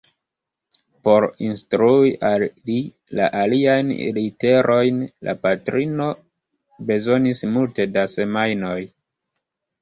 Por instrui al li la aliajn literojn, la patrino bezonis multe da semajnoj.